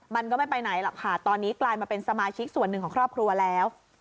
มันก็ไม่ไปไหนหรอกค่ะตอนนี้กลายมาเป็นสมาชิกส่วนหนึ่งของครอบครัวแล้ว